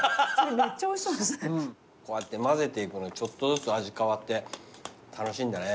こうやって混ぜていくちょっとずつ味変わって楽しいんだね。